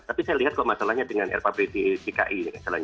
tapi saya lihat kalau masalahnya dengan rapbd dki